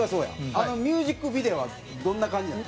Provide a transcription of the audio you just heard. あのミュージックビデオはどんな感じなん？